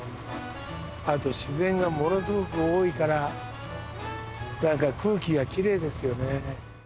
あと自然がものすごく多いから空気がきれいですよね。